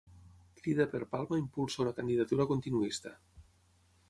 Crida per Palma impulsa una candidatura continuista